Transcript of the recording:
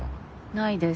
ないです。